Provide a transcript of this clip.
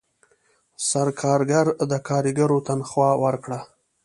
سرکارګر د کارګرو تنخواه ورکړه.